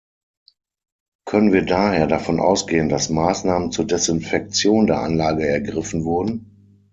Können wir daher davon ausgehen, dass Maßnahmen zur Desinfektion der Anlage ergriffen wurden?